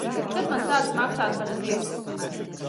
Kad man sāks maksāt par zirgu?